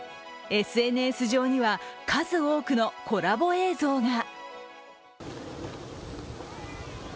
ＳＮＳ上には数多くのコラボ映像が。